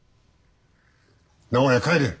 名古屋へ帰れ。